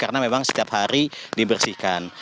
karena memang setiap hari dibersihkan